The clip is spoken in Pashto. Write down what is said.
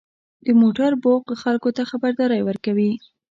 • د موټر بوق خلکو ته خبرداری ورکوي.